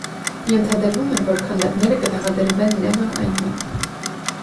Ենթադրվում էր, որ քանդակները կտեղադրվեն Նևա այգում։